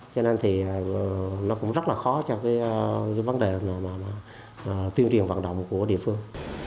cho nên thì nó cũng rất là khó cho cái vấn đề tiêu truyền vận động của địa phương